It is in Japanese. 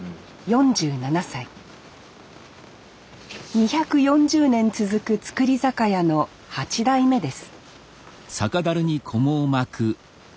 ２４０年続く造り酒屋の８代目です